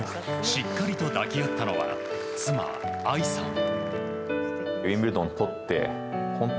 しっかりと抱き合ったのは妻・愛さん。